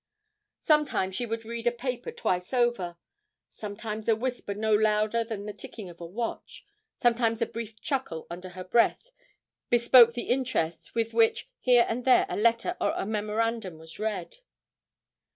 Sometimes she would read a paper twice over; sometimes a whisper no louder than the ticking of a watch, sometimes a brief chuckle under her breath, bespoke the interest with which here and there a letter or a memorandum was read.